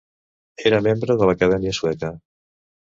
Era Membre de l'Acadèmia Sueca.